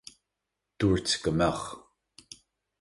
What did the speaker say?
Dúirt go mbeadh.